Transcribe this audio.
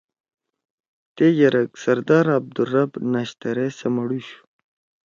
تے یرک سردار عبدالرب نشتر ئے سمَڑُوشُو